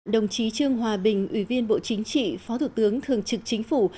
đồng chí trương hòa bình ủy viên bộ chính trị phó thủ tướng thường trực chính phủ